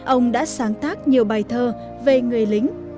ông đã sáng tác nhiều bài thơ về người lính